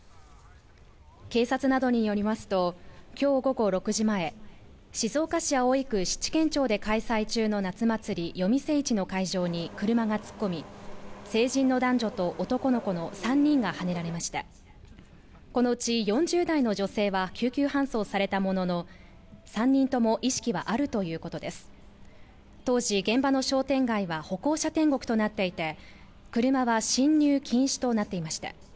警察などによりますときょう午後６時前静岡市葵区七間町で開催中の夏祭り夜店市の会場に車が突っ込み成人の男女と男の子の３人がはねられましたこのうち４０代の女性は救急搬送されたものの３人とも意識はあるということです当時現場の商店街は歩行者天国となっていて車は進入禁止となっていました